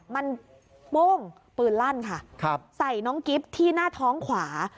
มันโป้งปืนลั่นค่ะใส่น้องกิ๊บที่หน้าท้องขวา